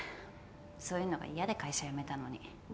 そういうのが嫌で会社やめたのに。